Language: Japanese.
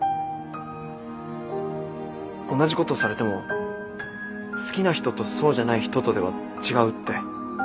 同じことされても好きな人とそうじゃない人とでは違うって。